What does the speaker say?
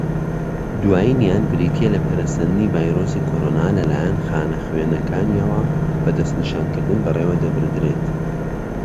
دوایینیان بریتییە لە، پەرەسەندنی ڤایرۆسی کۆڕۆنا لەلایەن خانەخوێنەکانییەوە بە دەستنیشانکردن بەڕێوەدەبردێت.